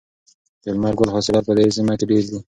د لمر ګل حاصلات په دې سیمه کې ډیر دي.